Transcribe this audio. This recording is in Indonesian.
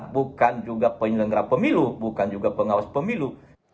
bukan juga penyelenggara pemilu bukan juga pengawas pemilu